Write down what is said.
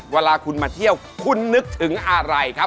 เวลาคุณมาเที่ยวคุณนึกถึงอะไรครับ